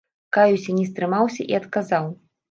Каюся, не стрымаўся і адказаў.